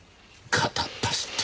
片っ端って。